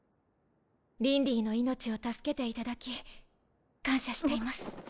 鈴麗の命を助けていただき感謝しています。